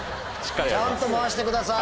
ちゃんと回してください。